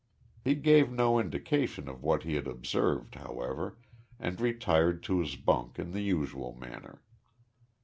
He gave no indication of what he had observed, however, and retired to his bunk in the usual manner.